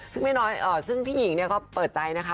ซึ่งไม่น้อยซึ่งพี่หญิงเนี่ยก็เปิดใจนะคะ